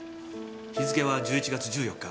日付は１１月１４日。